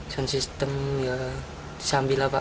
sistem ya disambil lah pak